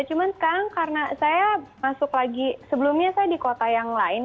cuman sekarang karena saya masuk lagi sebelumnya saya di kota yang lain